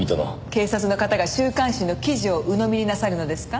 警察の方が週刊誌の記事をうのみになさるのですか？